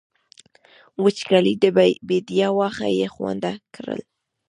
وچکالۍ د بېديا واښه بې خونده کړل.